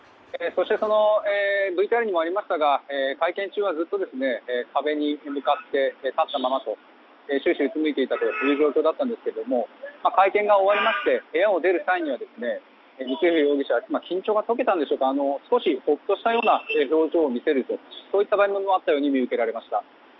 そしてＶＴＲにもありましたが会見中はずっと壁に向かって立ったままで終始うつむいていた状況だったんですが会見が終わりまして部屋を出る際には光弘容疑者は緊張が解けたんでしょうか少しほっとしたような表情を見せるようなそういった場面もあったように見受けました。